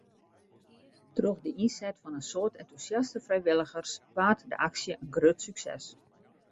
Troch de ynset fan in soad entûsjaste frijwilligers waard de aksje in grut sukses.